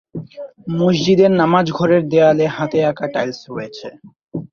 মসজিদের নামাজ ঘরের দেয়ালে হাতে আঁকা টাইলস রয়েছে।